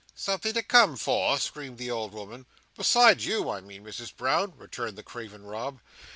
"Something to come for?" screamed the old woman. "Besides you, I mean, Misses Brown," returned the craven Rob.